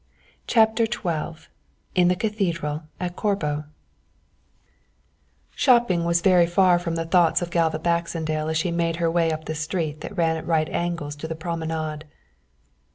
CHAPTER XII IN THE CATHEDRAL AT CORBO Shopping was very far from the thoughts of Galva Baxendale as she made her way up the street that ran at right angles to the promenade.